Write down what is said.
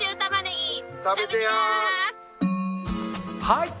はい。